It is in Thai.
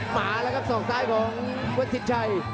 หมาแล้วกับสอกซายของวัดสิดไช่